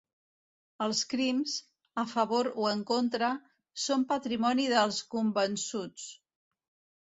Els crims, a favor o en contra, són patrimoni dels convençuts”.